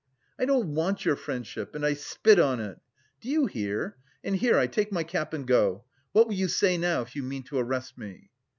"I don't want your friendship and I spit on it! Do you hear? And, here, I take my cap and go. What will you say now if you mean to arrest me?"